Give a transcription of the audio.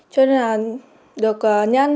cho nên là